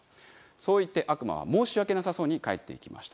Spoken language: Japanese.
そう言って悪魔は申し訳なさそうに帰っていきました。